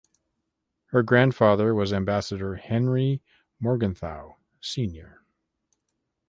Her grandfather was ambassador Henry Morgenthau Sr.